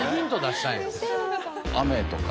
雨とか。